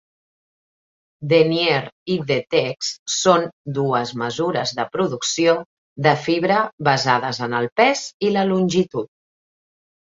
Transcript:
Denier i Dtex són dues mesures de producció de fibra basades en el pes i la longitud.